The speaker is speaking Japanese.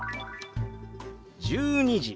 「１２時」。